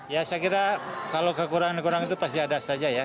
ya saya kira kalau kekurangan kekurangan itu pasti ada saja ya